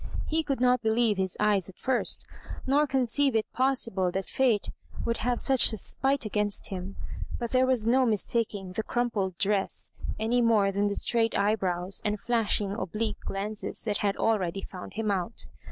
He could not believe his eyes at first, nor conceive it possible that Fate would have such a spite against him ; but there was no mistaking the crumpled dress, any more than the straight eyebrows and flashing oblique glances that had already found him out.